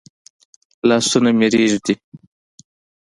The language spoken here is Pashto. لاسونه مي رېږدي ؟